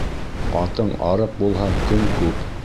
Атың арыҡ булһа, көн күп.